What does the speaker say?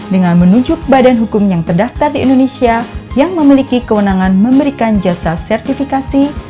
dengan menunjuk badan hukum yang terdaftar di indonesia yang memiliki kewenangan memberikan jasa sertifikasi